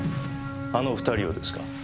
あの２人をですか？